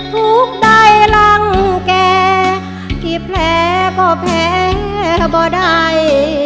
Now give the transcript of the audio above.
ทุกข์ใดรังแก่ที่แพ้ก็แพ้บ่ได้